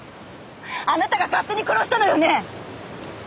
あなたが勝手に殺したのよね！？